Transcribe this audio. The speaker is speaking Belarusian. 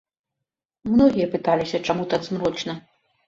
Многія пыталіся, чаму так змрочна.